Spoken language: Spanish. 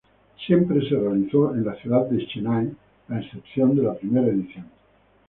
Siempre se realizó en la ciudad de Chennai a excepción de la primera edición.